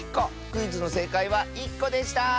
クイズのせいかいは１こでした！